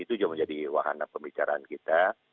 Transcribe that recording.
itu juga menjadi wahana pembicaraan kita